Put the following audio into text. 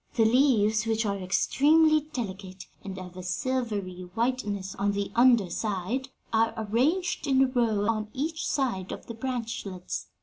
The leaves, which are extremely delicate and of a silvery whiteness on the under side, are arranged in a row on each side of the branchlets.